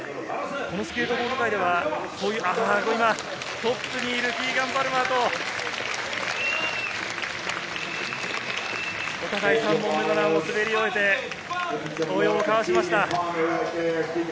スケートボード界ではトップにいるキーガン・パルマーとお互い３本目のランを滑り終えて、抱擁を交わしました。